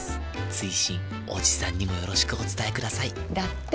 追伸おじさんにもよろしくお伝えくださいだって。